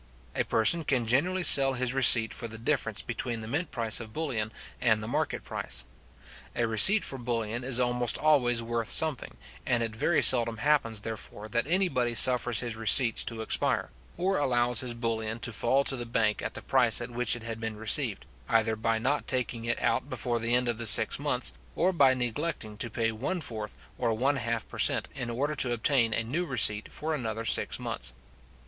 A person can generally sell his receipt for the difference between the mint price of bullion and the market price. A receipt for bullion is almost always worth something, and it very seldom happens, therefore, that anybody suffers his receipts to expire, or allows his bullion to fall to the bank at the price at which it had been received, either by not taking it out before the end of the six months, or by neglecting to pay one fourth or one half per cent. in order to obtain a new receipt for another six months.